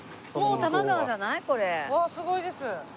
わあすごいです。